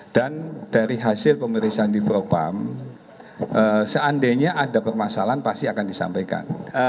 dan dari hasil pemeriksaan di biro pam seandainya ada permasalahan pasti akan disampaikan